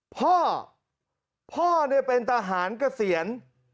พ่อพ่อเนี่ยเป็นทหารเกษียณ